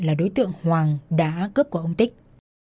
là đối tượng hoàng đã cướp của ông tích